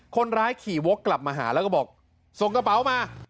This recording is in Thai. คนร้ายขี่วกกลับมาหาแล้วก็บอกส่งกระเป๋ามา